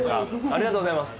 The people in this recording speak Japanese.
ありがとうございます